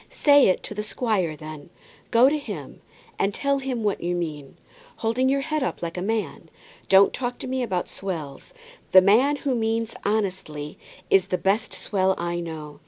"Say it to the squire, then. Go to him, and tell him what you mean, holding your head up like a man. Don't talk to me about swells. The man who means honestly is the best swell I know.